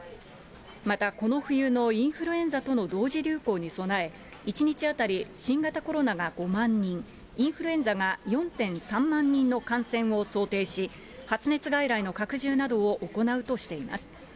またこの冬のインフルエンザとの同時流行に備え、１日当たり新型コロナが５万人、インフルエンザが４．３万人の感染を想定し、発熱外来の拡充などを行うとしています。